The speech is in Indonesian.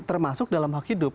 termasuk dalam hak hidup